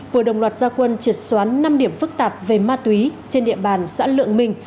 vừa đồng loạt gia quân triệt xóa năm điểm phức tạp về ma túy trên địa bàn xã lượng minh